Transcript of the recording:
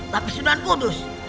tapi sunan kudus